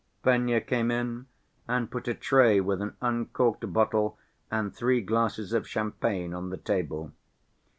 Fenya came in and put a tray with an uncorked bottle and three glasses of champagne on the table.